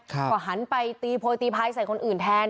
ก็หันไปตีโพยตีพายใส่คนอื่นแทน